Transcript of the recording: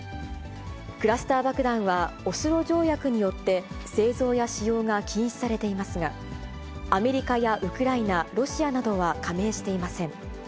クラスター爆弾は、オスロ条約によって製造や使用が禁止されていますが、アメリカやウクライナ、ロシアなどは加盟していません。